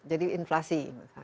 jadi inflasi misalnya